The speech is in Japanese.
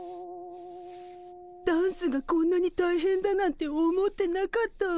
ダンスがこんなにたいへんだなんて思ってなかったわ。